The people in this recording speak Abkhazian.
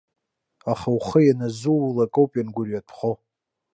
Аха ухы ианазуулак ауп иангәырҩатәхо.